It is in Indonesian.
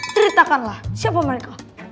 ceritakanlah siapa mereka